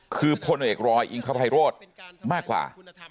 คือพลเอกรอยอิงคภัยโรธมากกว่า